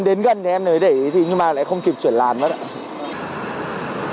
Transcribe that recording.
đến gần thì em mới để ý nhưng mà lại không kịp chuyển làn mất